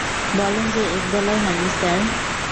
বলেন যে একবেলাও হয়নি, স্যার।